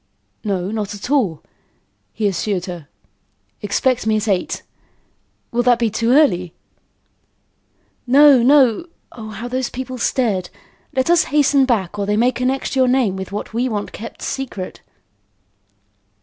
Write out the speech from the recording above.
"No, not at all," he assured her. "Expect me at eight. Will that be too early?" "No, no. Oh, how those people stared! Let us hasten back or they may connect your name with what we want kept secret."